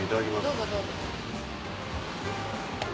どうぞどうぞ。